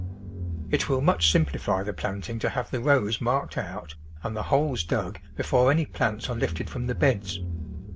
It will much simplify the planting to have the rows marked out and the holes dug before any plants are lifted from the beds.